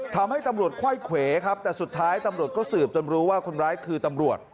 ทำให้ตำรวจไขว้เขวครับแต่สุดท้ายตำรวจก็สืบจนรู้ว่าคนร้ายคือตำรวจ